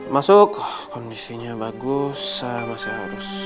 masuk kondisinya bagus saya masih harus